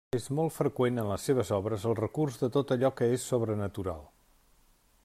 És molt freqüent en les seves obres el recurs de tot allò que és sobrenatural.